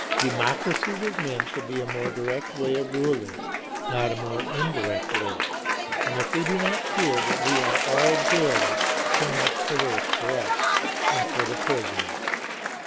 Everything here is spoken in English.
Democracy was meant to be a more direct way of ruling, not a more indirect way; and if we do not feel that we are all jailers, so much the worse for us, and for the prisoners.